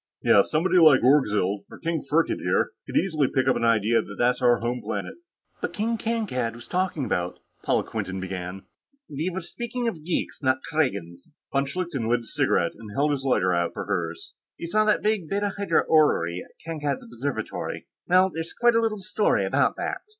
Yes, somebody like Orgzild, or King Firkked here, could easily pick up the idea that that's our home planet." "But King Kankad was talking about...." Paula Quinton began. "We were speaking of geeks, not Kragans." Von Schlichten lit his cigarette and held his lighter for hers. "You saw that big Beta Hydrae orrery at Kankad's observatory. Well, there's quite a little story about that.